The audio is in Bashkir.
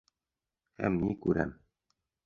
Һәм ни күрәм!